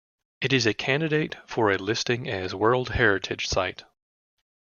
It is a candidate for a listing as World Heritage Site.